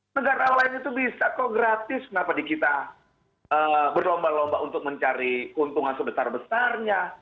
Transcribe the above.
negara lain itu bisa kok gratis kenapa di kita berlomba lomba untuk mencari keuntungan sebesar besarnya